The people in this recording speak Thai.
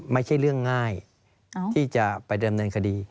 ไม่ใช่เรื่องง่ายที่จะไปดำเนินคดี